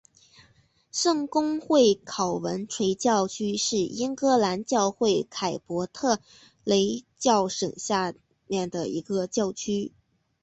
圣公会考文垂教区是英格兰教会坎特伯雷教省下面的一个教区。